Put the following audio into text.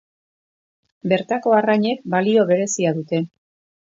Bertako arrainek balio berezia dute.